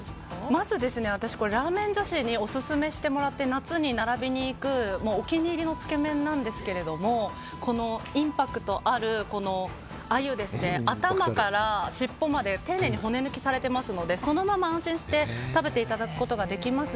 まず私、ラーメン女子にオススメしてもらって夏に並びに行くお気に入りのつけ麺なんですけどインパクトある鮎でして頭から尻尾まで丁寧に骨抜きされていますのでそのまま安心して食べていただくことができます